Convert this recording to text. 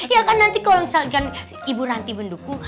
ya kan nanti kalo misalkan ibu ranti mendukung